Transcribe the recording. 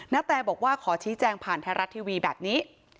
น้าแต่บอกว่าคอชี้แจงผ่านท้ารัททีวีแบบนี้